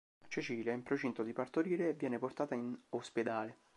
Cecilia è in procinto di partorire e viene portata in ospedale.